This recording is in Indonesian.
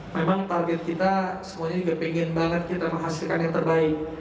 memang target kita semuanya juga pengen banget kita menghasilkan yang terbaik